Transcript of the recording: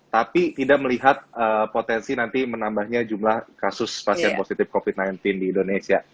tapi tidak melihat potensi nanti menambahnya jumlah kasus pasien positif covid sembilan belas di indonesia